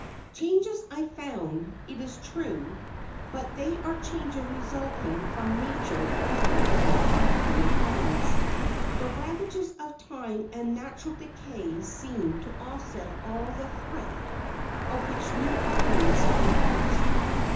Changes I found, it is true, but they are changes resulting from nature rather than from human hands. The ravages of time and natural decay seem to offset all the thrift of which New Orleans can boast.